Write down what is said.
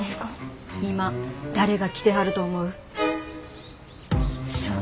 今誰が来てはると思う？